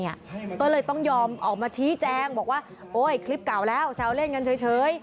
ก็เลยต้องยอมออกมาชี้แจงบอกว่าโอ๊ยคลิปเก่าแล้วแซวเล่นกันเฉย